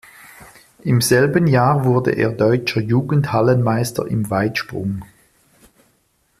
Im selben Jahr wurde er Deutscher Jugend-Hallenmeister im Weitsprung.